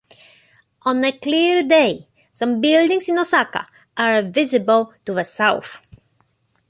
On a clear day, some buildings in Osaka are visible to the south.